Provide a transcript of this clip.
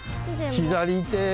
左手。